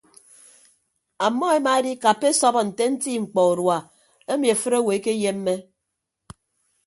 Ammọ emaedikappa esọbọ nte nti mkpọ urua emi afịt owo ekeyemme.